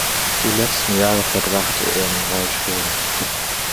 Die letzten Jahre verbrachte er im Rollstuhl.